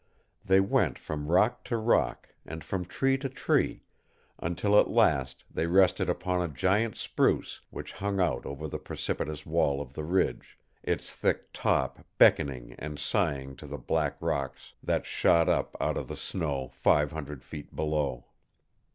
They went from rock to rock and from tree to tree until at last they rested upon a giant spruce which hung out over the precipitous wall of the ridge, its thick top beckoning and sighing to the black rocks that shot up out of the snow five hundred feet below.